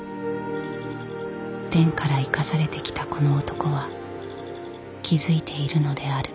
天から生かされてきたこの男は気付いているのである。